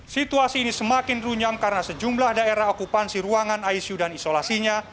situasi ini semakin runyam karena sejumlah daerah okupansi ruangan icu dan isolasinya